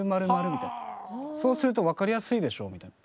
「そうすると分かりやすいでしょう」みたいな。